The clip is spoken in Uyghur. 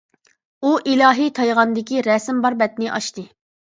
ئۇ «ئىلاھىي تايغان» دىكى رەسىم بار بەتنى ئاچتى.